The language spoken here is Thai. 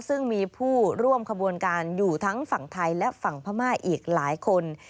ซึ่งมีผู้ร่วมขบวนการอยู่ทั้งฝั่งไทยและฝั่งพม่าอีกหลายคน